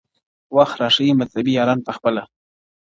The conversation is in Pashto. وخت را ښیي مطلبي یاران پخپله-